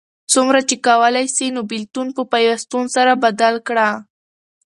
څومره چی کولای سې نو بیلتون په پیوستون سره بدل کړه